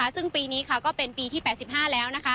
ซึ่งปีนี้ก็เป็นปีที่๘๕แล้ว